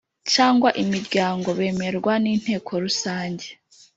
cyangwa imiryango bemerwa n Inteko Rusange